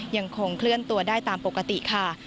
ยังคงเคลื่อนตัวได้ตามปกติค่ะ